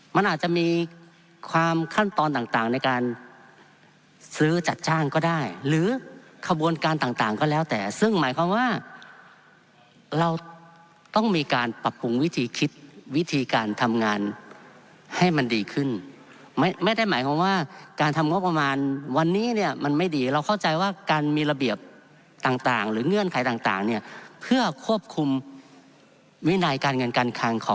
มันอาจจะมีความขั้นตอนต่างในการซื้อจัดจ้างก็ได้หรือขบวนการต่างต่างก็แล้วแต่ซึ่งหมายความว่าเราต้องมีการปรับปรุงวิธีคิดวิธีการทำงานให้มันดีขึ้นไม่ได้หมายความว่าการทำงบประมาณวันนี้เนี่ยมันไม่ดีเราเข้าใจว่าการมีระเบียบต่างหรือเงื่อนไขต่างเนี่ยเพื่อควบคุมวินัยการเงินการค